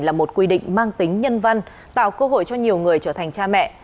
là một quy định mang tính nhân văn tạo cơ hội cho nhiều người trở thành cha mẹ